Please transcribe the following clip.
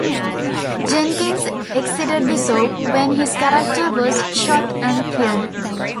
Jenkins exited the soap when his character was shot and killed.